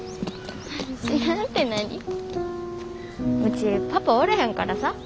うちパパおらへんからさ。